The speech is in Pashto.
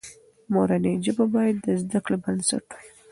مورنۍ ژبه باید د زده کړې بنسټ وي.